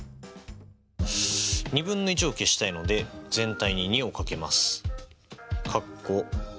２分の１を消したいので全体に２を掛けます。